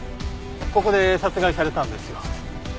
ここで殺害されたんですよ。